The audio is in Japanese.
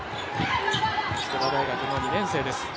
筑波大学の２年生です。